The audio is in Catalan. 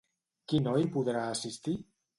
Qui no hi podrà assistir?